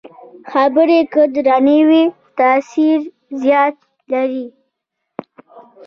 خبرې که درنې وي، تاثیر زیات لري